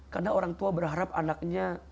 karena orang tua berharap anaknya